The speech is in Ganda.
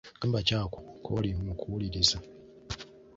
Kayimba ki ako kooli mu kuwuliriza?